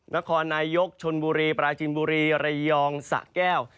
นครนายกชนบุรีปราจินบุรีระยองสะแก้ว